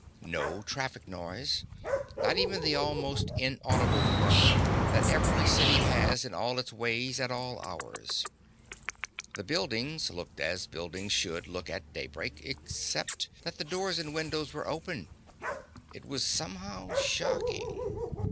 No traffic noise; not even the almost inaudible murmur that every city has in all its ways at all hours. The buildings looked as buildings should look at daybreak, except that the doors and windows were open. It was somehow shocking.